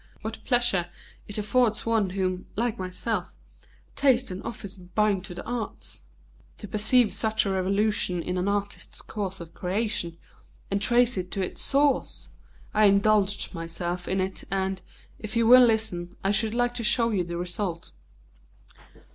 What pleasure it affords one whom, like myself, taste and office bind to the arts, to perceive such a revolution in an artist's course of creation, and trace it to its source! I indulged myself in it and, if you will listen, I should like to show you the result."